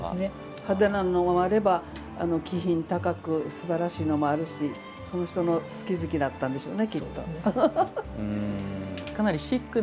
派手なものもあれば気品高くすばらしいのもあるし好き好きだったんでしょうね。